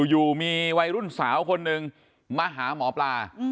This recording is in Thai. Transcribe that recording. อยู่มีวัยรุ่นสาวคนหนึ่งมาหาหมอปลา